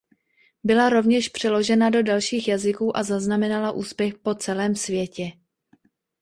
Byla rovněž přeložena do dalších jazyků a zaznamenala úspěch po celém světě.